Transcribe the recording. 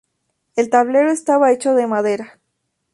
El tablero estaba hecho de madera.